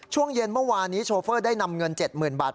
ช่วงเย็นเมื่อวานนี้โชเฟอร์ได้นำเงิน๗๐๐๐บาท